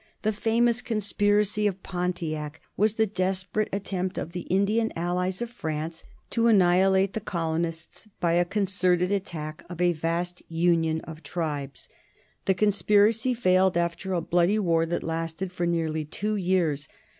The famous conspiracy of Pontiac was the desperate attempt of the Indian allies of France to annihilate the colonists by a concerted attack of a vast union of tribes. The conspiracy failed after a bloody war that lasted for nearly two years.